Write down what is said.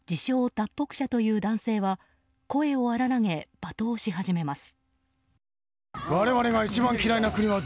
脱北者という男性は声を荒らげ、罵倒し始めます。